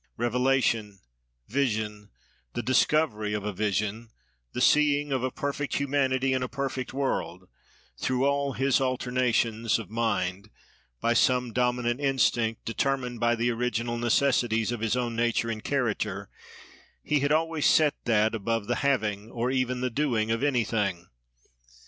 Revelation, vision, the discovery of a vision, the seeing of a perfect humanity, in a perfect world—through all his alternations of mind, by some dominant instinct, determined by the original necessities of his own nature and character, he had always set that above the having, or even the doing, of anything.